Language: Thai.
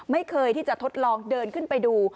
ไม่เคยที่จะทดลองเดินขึ้นไปดู